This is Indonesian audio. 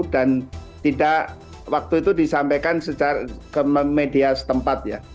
tidak waktu itu disampaikan secara ke media setempat ya